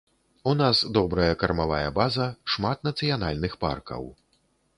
У нас добрая кармавая база, шмат нацыянальных паркаў.